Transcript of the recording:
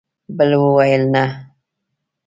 بل وویل: نه!